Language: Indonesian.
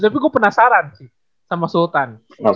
tapi gue penasaran sih sama sultan